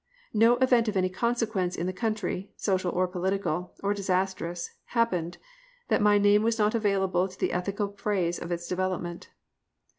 No event of any consequence in the country, social or political, or disastrous, happened, that my name was not available to the ethical phase of its development.